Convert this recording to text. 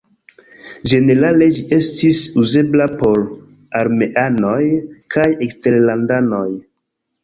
Ĝenerale ĝi estis uzebla por armeanoj kaj eksterlandanoj.